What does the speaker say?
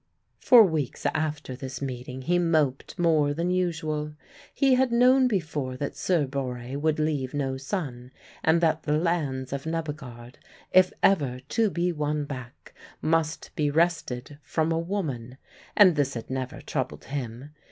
For weeks after this meeting he moped more than usual. He had known before that Sir Borre would leave no son, and that the lands of Nebbegaard, if ever to be won back, must be wrested from a woman and this had ever troubled him.